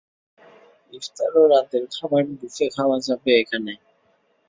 ইফতার ও রাতের খাবার বুফে খাওয়া যাবে এখানে।